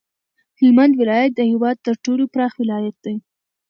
هلمند ولایت د هیواد تر ټولو پراخ ولایت دی